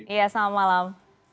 iya selamat malam